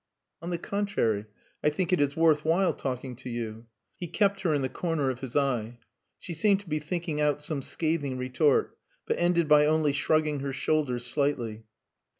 "On the contrary, I think it is worth while talking to you." He kept her in the corner of his eye. She seemed to be thinking out some scathing retort, but ended by only shrugging her shoulders slightly.